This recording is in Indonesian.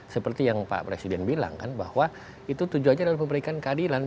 seperti yang pak presiden bilang kan bahwa itu tujuannya adalah memberikan keadilan